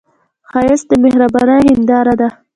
ښایست د مهرباني هنداره ده